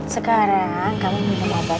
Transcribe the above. sekarang kamu minta maaf ya